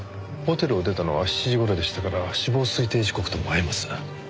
ホテルを出たのは７時頃でしたから死亡推定時刻とも合います。